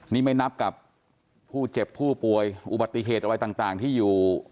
นี่ไม่นับกับผู้เจ็บผู้ป่วยอุบัติเหตุอะไรต่างที่อยู่